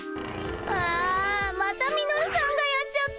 あまたミノルさんがやっちゃった。